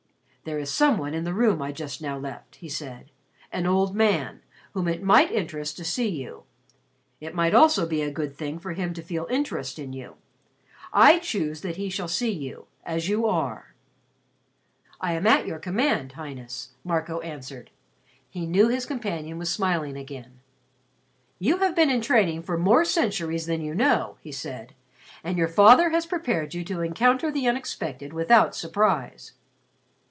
"There is some one in the room I just now left," he said, "an old man whom it might interest to see you. It might also be a good thing for him to feel interest in you. I choose that he shall see you as you are." "I am at your command, Highness," Marco answered. He knew his companion was smiling again. "You have been in training for more centuries than you know," he said; "and your father has prepared you to encounter the unexpected without surprise."